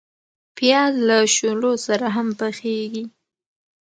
پیاز له شولو سره هم پخیږي